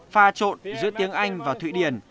pha trộn giữa tiếng anh và thụy điển